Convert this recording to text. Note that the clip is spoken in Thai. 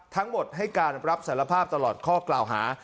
ทั้งหมดให้การรับสารภาพตลอดข้อกล่าวหา